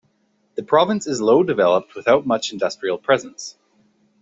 The province is low developed without much industrial presence.